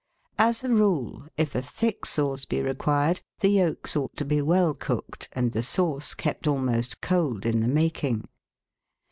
As a rule, if a thick sauce be required, the yolks ought to be well cooked and the sauce kept almost cold in the making.